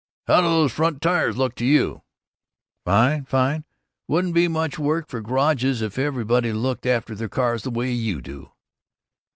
"How do those front tires look to you?" "Fine! Fine! Wouldn't be much work for garages if everybody looked after their car the way you do."